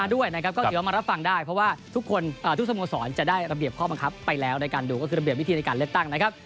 ด้วยนะครับก็เดี๋ยวมารับฟังได้เพราะว่าทุกคนทุกสโมสรจะได้ระเบียบข้อบังคับไปแล้วในการดูก็คือระเบียบวิธีในการเลือกตั้งนะครับ